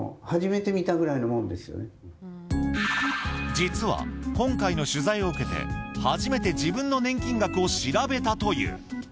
実は今回の取材を受けて初めて自分の年金額を調べたという。